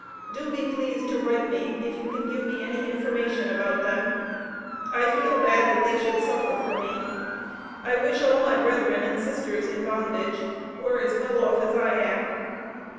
Do be pleased to write me if you can give me any information about them. I feel bad that they should suffer for me. I wish all my brethren and sisters in bondage, were as well off as I am.